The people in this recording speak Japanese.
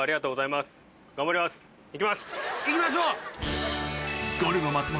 行きましょう！